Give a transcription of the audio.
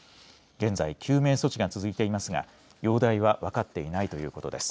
現在救命措置が続いていますが容体は分かっていないということです。